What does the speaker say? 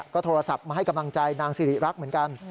ก็โทรศัพท์มาให้กำลังใจนางสิริรักษ์เหมือนกัน